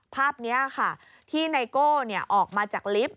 ภาพนี้ค่ะที่ไนโก้ออกมาจากลิฟต์